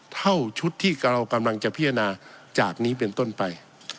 เท่าชุดที่เรากำลังจะพิจารณาจากนี้เป็นต้นไป